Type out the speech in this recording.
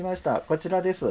こちらです。